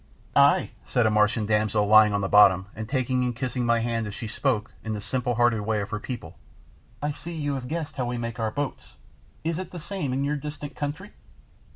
"Ay," said a Martian damsel lying on the bottom, and taking and kissing my hand as she spoke, in the simple hearted way of her people, "I see you have guessed how we make our boats. Is it the same in your distant country?"